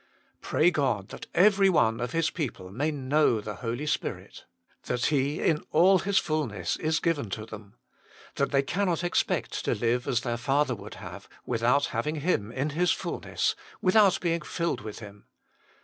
Pray God that every one of His people may know the Holy Spirit ! That He, in all His fulness, is given to them ! that they cannot expect to live as their Father would have, without having Him in His fulness, without being filled with Him